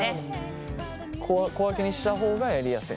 小分けにした方がやりやすい？